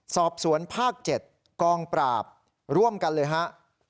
สอบสวนภาค๗กองปราบร่วมกันเลยครับ